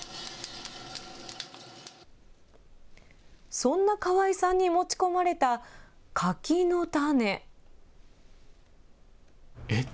そんな川井さんに持ち込まれた柿の種。